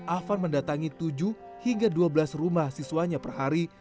afan mendatangi tujuh hingga dua belas rumah siswanya per hari